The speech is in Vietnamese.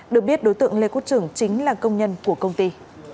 được biết đối tượng lê quốc trưởng chính là công nhân của công ty